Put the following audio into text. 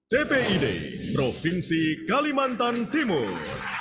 tpid provinsi kalimantan timur